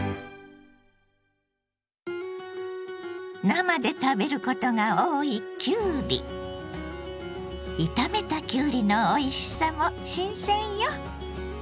生で食べることが多い炒めたきゅうりのおいしさも新鮮よ。